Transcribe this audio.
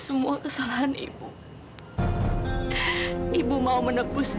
belum bisa sekaligus magel tapi tak ada wrestle seribu sembilan ratus tiga puluh tiga